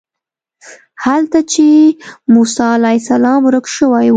هلته چې موسی علیه السلام ورک شوی و.